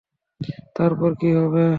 তারপর কি হবে?